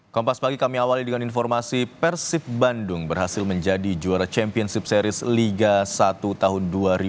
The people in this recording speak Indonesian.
kompas pagi kami awali dengan informasi persib bandung berhasil menjadi juara championship series liga satu tahun dua ribu dua puluh